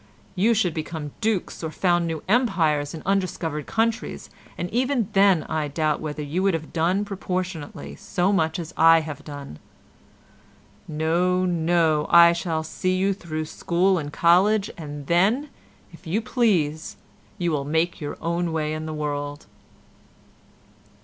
You should become dukes or found new empires in undiscovered countries, and even then I doubt whether you would have done proportionately so much as I have done. No, no, I shall see you through school and college and then, if you please, you will make your own way in the world."